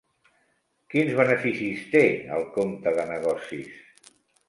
Quins beneficis té el compte de negocis?